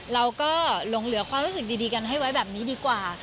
เราก็หลงเหลือความรู้สึกดีกันให้ไว้แบบนี้ดีกว่า